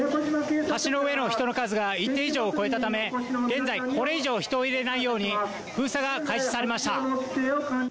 橋の上の人の数が一定以上を超えたため、現在、これ以上人を入れないように封鎖が開始されました。